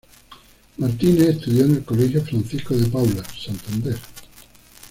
Martínez estudió en el Colegio Francisco de Paula Santander.